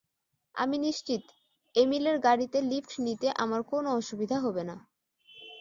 আমি নিশ্চিত এমিলের গাড়িতে লিফট নিতে আমার কোনো অসুবিধা হবে না।